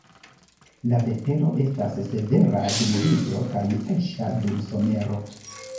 La vetero estas severa dum vintro kaj freŝa dum somero.